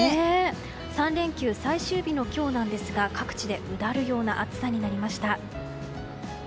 ３連休最終日の今日なんですが各地でうだるような暑さになりました。